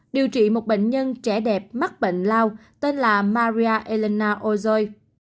điều trị một bệnh nhân trẻ đẹp mắc bệnh lao tên là maria elina ozoi